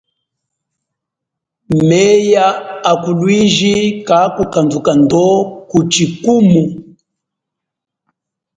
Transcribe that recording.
Myea a kalwiji kakadhuka ndo kuchikuma.